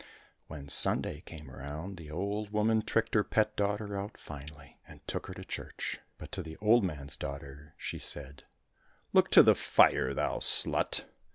When Sunday came round, the old woman tricked her pet daughter out finely, and took her to church, but to the old man's daughter she said, " Look to the fire, thou slut